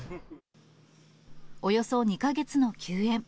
およそ２か月の休園。